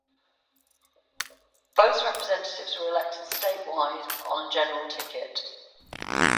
Both representatives were elected statewide on a general ticket.